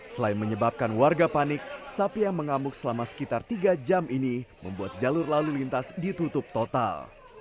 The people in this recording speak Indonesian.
selain menyebabkan warga panik sapi yang mengamuk selama sekitar tiga jam ini membuat jalur lalu lintas ditutup total